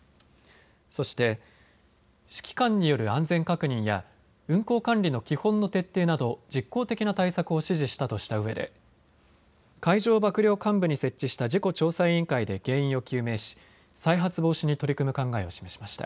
そして指揮官による安全確認や運航管理の基本の徹底など実効的な対策を指示したとしたうえで海上幕僚監部に設置した事故調査委員会で原因を究明し再発防止に取り組む考えを示しました。